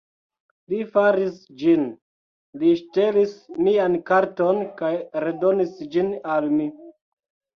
Li faris ĝin, li ŝtelis mian karton kaj redonis ĝin al mi